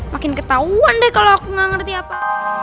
makin ketahuan deh kalau aku gak ngerti apa